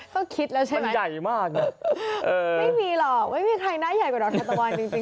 ก็คิดแล้วใช่ไหมไม่มีหรอกไม่มีใครหน้าใหญ่กว่าดอกทานตะวันจริง